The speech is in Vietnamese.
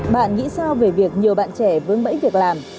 bạn nghĩ sao về việc nhiều bạn trẻ vững bẫy việc làm